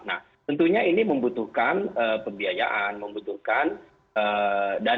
nah tentunya ini membutuhkan pembiayaan membutuhkan dana